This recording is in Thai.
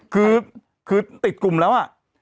คือติดกลุ่มแล้ว